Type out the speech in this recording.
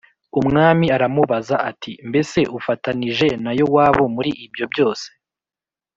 Umwami aramubaza ati “Mbese ufatanije na Yowabu muri ibyo byose?”